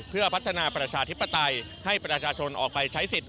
เพื่อพัฒนาประชาธิปไตยให้ประชาชนออกไปใช้สิทธิ